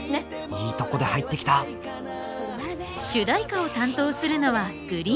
いいとこで入ってきた主題歌を担当するのはＧＲｅｅｅｅＮ。